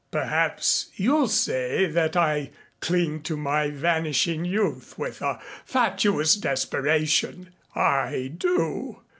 Perhaps you'll say that I cling to my vanishing youth with a fatuous desperation. I do.